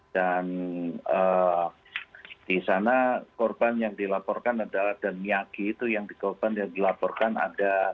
dan di sana korban yang dilaporkan adalah dan miyagi itu yang dikorban yang dilaporkan ada